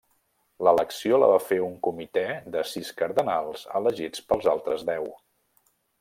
L'elecció la va fer un comitè de sis cardenals elegits pels altres deu.